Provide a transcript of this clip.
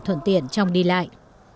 thường tiện trong đi lại